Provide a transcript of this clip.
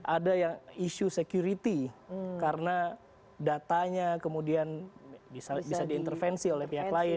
ada yang isu security karena datanya kemudian bisa diintervensi oleh pihak lain